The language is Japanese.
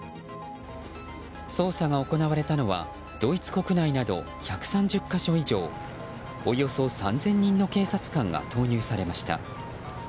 捜査が行われたのはドイツ国内など１３０か所以上およそ３０００人の警察官が投入されました。